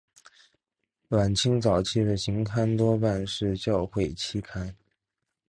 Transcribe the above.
晚清早期的期刊多半是教会期刊。